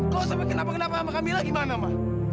kau sampai kenapa kenapa sama kamila gimana ma